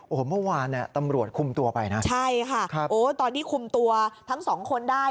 โอ้โหเมื่อวานเนี่ยตำรวจคุมตัวไปนะใช่ค่ะครับโอ้ตอนที่คุมตัวทั้งสองคนได้